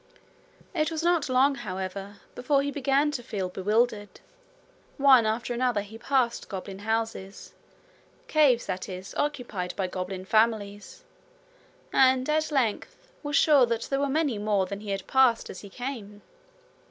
It was not long, however, before he began to feel bewildered. One after another he passed goblin houses, caves, that is, occupied by goblin families, and at length was sure they were many more than he had passed as he came.